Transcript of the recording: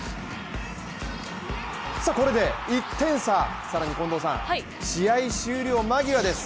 これで１点差、更に近藤さん、試合終了間際です。